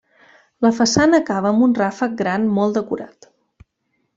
La façana acaba amb un ràfec gran molt decorat.